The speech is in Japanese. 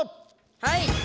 はい！